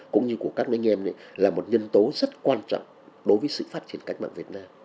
cũng như của các anh em là một nhân tố rất quan trọng đối với sự phát triển cách mạng việt nam